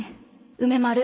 梅丸